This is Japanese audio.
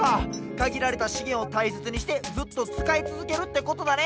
かぎられたしげんをたいせつにしてずっとつかいつづけるってことだね。